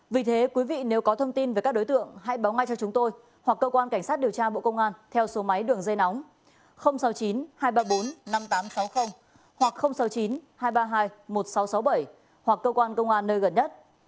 vì thế quý vị nếu có thông tin về các đối tượng hãy báo ngay cho chúng tôi hoặc cơ quan cảnh sát điều tra bộ công an theo số máy đường dây nóng sáu mươi chín hai trăm ba mươi bốn năm nghìn tám trăm sáu mươi hoặc sáu mươi chín hai trăm ba mươi hai một nghìn sáu trăm sáu mươi bảy hoặc cơ quan công an nơi gần nhất